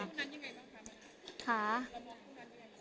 คุณนั้นยังไงบ้างค่ะ